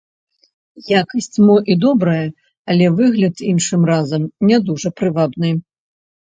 Якасць мо і добрая, але выгляд іншым разам не дужа прывабны.